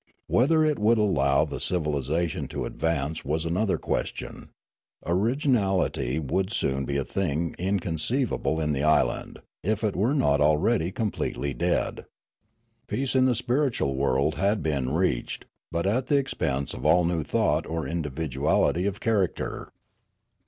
Whether it would allow the civilisation to advance was another question. Orig inality would soon be a thing inconceivable in the island, if it were not already completely dead. Peace in the spiritual world had been reached, but at the ex pense of all new thought or individuality of character.